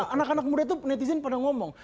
anak anak muda itu netizen pada ngomong